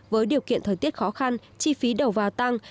với điều kiện thời tiết khó khăn chi phí đầu vào tăng